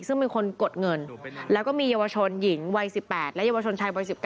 ซึ่งเป็นคนกดเงินแล้วก็มีเยาวชนหญิงวัย๑๘และเยาวชนชายวัย๑๙